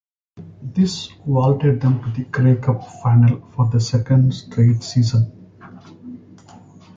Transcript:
This vaulted them to the Grey Cup final for the second straight season.